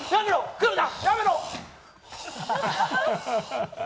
来るな！